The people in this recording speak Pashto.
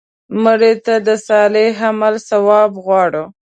مړه ته د صالح عمل ثواب غواړو